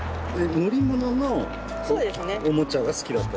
乗り物のおもちゃが好きだった？